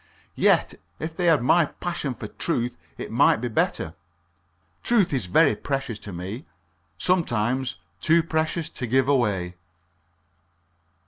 Yet if they had my passion for truth it might be better. Truth is very precious to me sometimes too precious to give away.